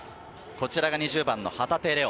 こちらが２０番の旗手怜央。